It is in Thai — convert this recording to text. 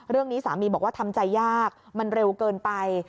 เรื่องนี้สามีบอกว่าทำใจยากมันเร็วเกินไป